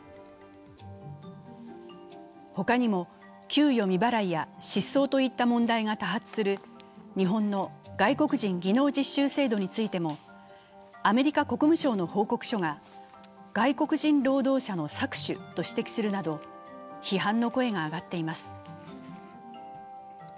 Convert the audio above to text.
ほかにも、給与未払いや失踪といった問題が多発する日本の外国人技能実習制度についてもアメリカ国務省の報告書が外国人労働者の搾取と指摘するなど批判の声が上がっています。